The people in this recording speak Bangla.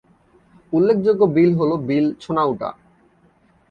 উল্লেখযোগ্য বিল হল বিল ছোনাউটা।